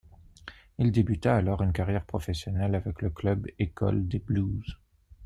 Il débuta alors une carrière professionnelle avec le club-école des Blues.